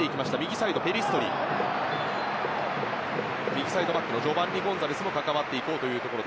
右サイドバックジョバンニ・ゴンサレスが関わっていこうというところ。